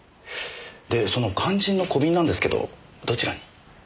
でその肝心の小瓶なんですけどどちらに？